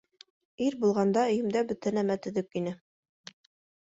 Ир булғанда өйөмдә бөтә нәмә төҙөк ине.